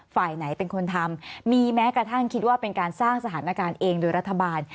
ฝ่ายไหนเป็นคนทำมีแม้กระทั่งคิดว่าเป็นการสร้างสถานการณ์เองโดยรัฐบาล